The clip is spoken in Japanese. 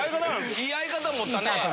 いい相方持ったね。